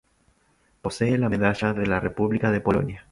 Posee la Medalla de la República de Polonia.